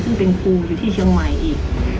ซึ่งเป็นครูอยู่ที่เชียงใหม่อีก